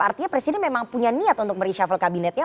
artinya presiden memang punya niat untuk mereshuffle kabinetnya